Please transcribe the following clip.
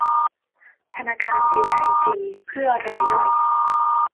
ธนาคารเอไอจี เพื่อรายย่อย